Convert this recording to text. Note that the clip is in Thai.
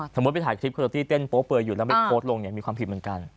สมมุติไปถ่ายคลิปคนที่เต้นป้อเปอร์อยู่แล้วพดลงมีความผิดเหมือนกัน